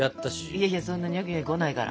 いやいやそんなニョキニョキ来ないから。